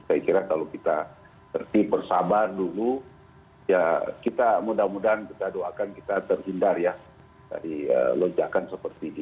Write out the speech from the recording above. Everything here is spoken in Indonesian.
saya kira kalau kita tertib bersabar dulu ya kita mudah mudahan kita doakan kita terhindar ya dari lonjakan seperti ini